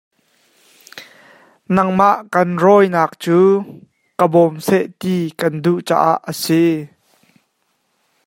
Nangmah kan rawihnak cu ka bawm seh ti kan duh caah a sin.